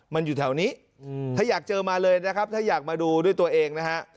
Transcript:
มันอยู่แถวนี้ถ้าอยากเจอมาเลยนะครับถ้าอยากมาดูด้วยตัวเองนะฮะ